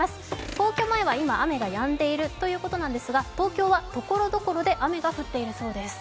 皇居前は今、雨がやんでいるということなんですが東京はところどころで雨が降っているようです。